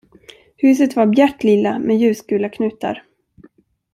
Huset var bjärt lila med ljusgula knutar.